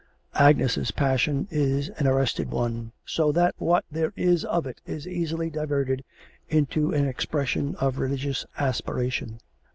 Agnes's passion is an arrested one, so that what there is of it is easily diverted into an expression of religious aspiration.